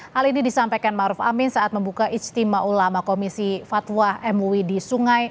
hal ini disampaikan maruf amin saat membuka ijtima ulama komisi fatwa mui di sungai